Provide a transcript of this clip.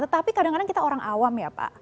tetapi kadang kadang kita orang awam ya pak